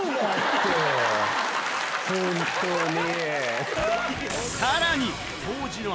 ホントに！